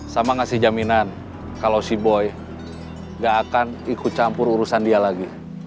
sama ngasih jaminan kalau si boy gak akan ikut campur urusan dia lagi